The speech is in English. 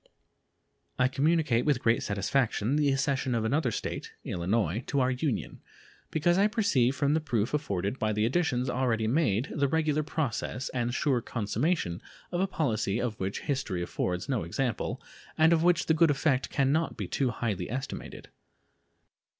I communicate with great satisfaction the accession of another State (Illinois) to our Union, because I perceive from the proof afforded by the additions already made the regular progress and sure consummation of a policy of which history affords no example, and of which the good effect can not be too highly estimated.